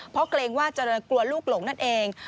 เพราะเกรงว่าจะกลัวลูกหลงนั่นเอง